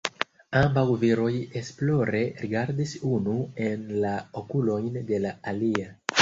Ambaŭ viroj esplore rigardis unu en la okulojn de la alia.